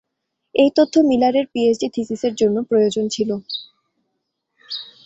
এই তথ্য মিলার এর পিএইচডি থিসিস এর জন্য প্রয়োজন ছিল।